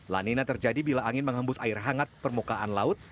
lanina terjadi bila angin menghembus air hangat permukaan laut